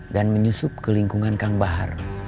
dan menyusup ke lingkungan kang bahar